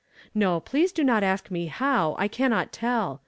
No, please do not ask me how ; I cannot tell.